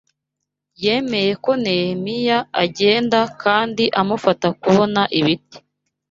Yemeye ko Nehemiya agenda kandi amufasha kubona ibiti